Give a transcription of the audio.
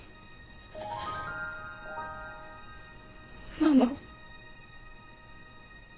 ママ。